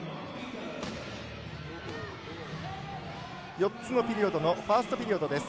４つのピリオドのファーストピリオドです。